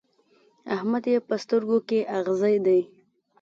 احمد يې په سترګو کې اغزی دی.